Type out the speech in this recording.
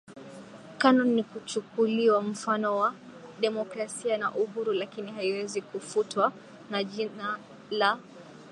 canon ni kuchukuliwa mfano wa demokrasia na uhuru lakini haiwezi kufutwa na jina la